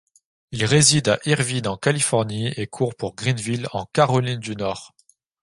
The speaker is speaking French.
Il réside à Irvine en Californie et court pour Greenville en Caroline du Nord.